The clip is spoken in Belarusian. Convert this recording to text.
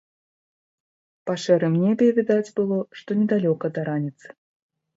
Па шэрым небе відаць было, што недалёка да раніцы.